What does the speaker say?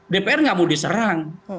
dpr nggak mau diserang